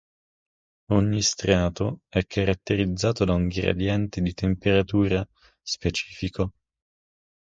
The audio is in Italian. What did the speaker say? Ogni strato è caratterizzato da un gradiente di temperatura specifico.